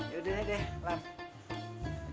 yaudah deh lam